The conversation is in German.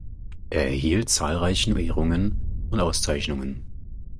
Er erhielt zahlreichen Ehrungen und Auszeichnungen.